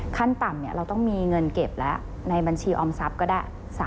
ขั้นต่ำเราต้องมีเงินเก็บแล้วในบัญชีออมทรัพย์ก็ได้